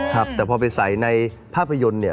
ครับแต่พอไปใส่ในภาพยนตร์เนี่ย